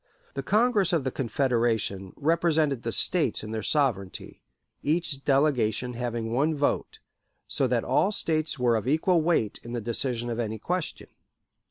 The Congress of the Confederation represented the States in their sovereignty, each delegation having one vote, so that all the States were of equal weight in the decision of any question.